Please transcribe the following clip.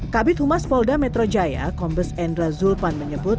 kabit humas polda metro jaya kombes endra zulpan menyebut